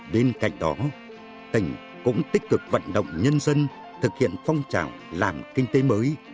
bên cạnh đó tỉnh cũng tích cực vận động nhân dân thực hiện phong trào làm kinh tế mới